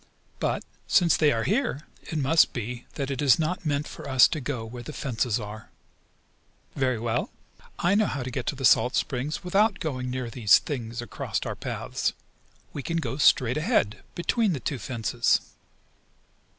But, since they are here it must be that it is not meant for us to go where the fences are. Very well. I know how to get to the salt springs without going near these things across our paths. We can go straight ahead, between the two fences!"